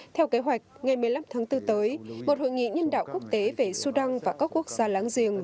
theo kế hoạch ngày một mươi năm tháng bốn tới một hội nghị nhân đạo quốc tế về sudan và các quốc gia láng giềng